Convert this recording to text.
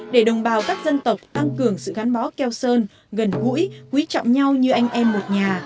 để đồng bào các dân tộc tăng cường sự gắn bó keo sơn gần gũi quý trọng nhau như anh em một nhà